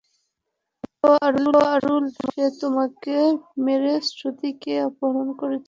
Hello Arul, সে আমাকে মেরে শ্রুতিকে অপহরণ করেছে।